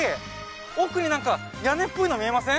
奥になんか屋根っぽいの見えません？